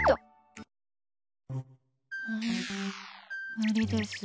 無理です。